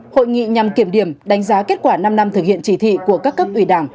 hội nghị nhằm kiểm điểm đánh giá kết quả năm năm thực hiện chỉ thị của các cấp ủy đảng